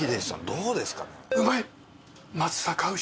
どうですかね？